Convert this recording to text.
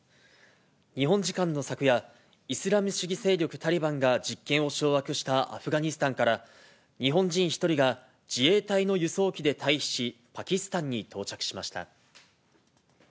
日本時間の昨夜、イスラム主義勢力タリバンがじっけんをしょうあくしたアフガニスタンから、日本人１人が、自衛隊の輸送機で退避し、パキスタンに到着しました。